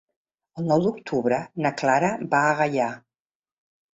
El nou d'octubre na Clara va a Gaià.